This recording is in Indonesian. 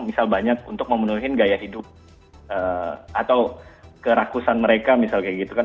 misal banyak untuk memenuhi gaya hidup atau kerakusan mereka misal kayak gitu kan